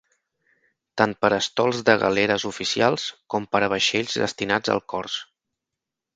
Tant per a estols de galeres oficials, com per a vaixells destinats al cors.